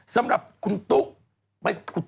สำหรับคุณตู้